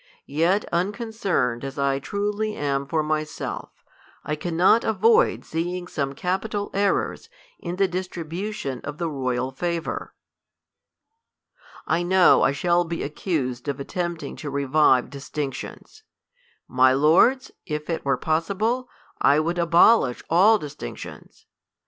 Yet, un concerned as I truly am for myself, I cannot avoid see ing some capital errors in the distribution of the royal favour. I know I shall be accused of attempting to revive distinctions. My lords, if it were possible, T would abolish all distinctions.